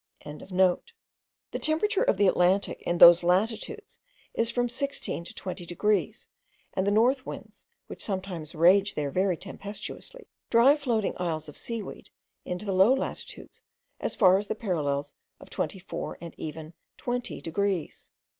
The temperature of the Atlantic in those latitudes is from sixteen to twenty degrees, and the north winds, which sometimes rage there very tempestuously, drive floating isles of seaweed into the low latitudes as far as the parallels of twenty four and even twenty degrees.